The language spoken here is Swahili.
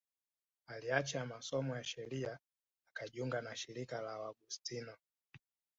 Aliacha masomo ya sheria akajiunga na shirika la Waaugustino